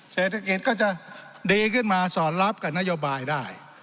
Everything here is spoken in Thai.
เศรษฐกิจก็จะดีขึ้นมาสอดรับกับนโยบายได้